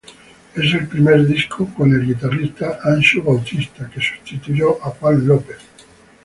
Es el primer disco con el guitarrista Anxo Bautista, que sustituyó a Juan López.